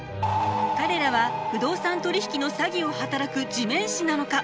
彼らは不動産取引の詐欺を働く地面師なのか？